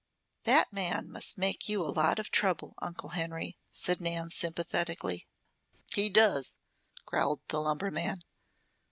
"That man must make you a lot of trouble, Uncle Henry," said Nan sympathetically. "He does," growled the lumberman.